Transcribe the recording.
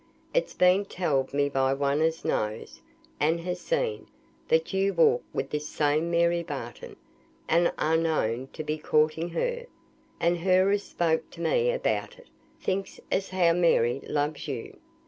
It's been telled me by one as knows, and has seen, that you walk with this same Mary Barton, and are known to be courting her; and her as spoke to me about it, thinks as how Mary loves you.